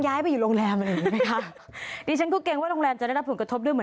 ฮัลโหลฮัลโหลฮัลโหลฮัลโหลฮัลโหลฮัลโหลฮัลโหล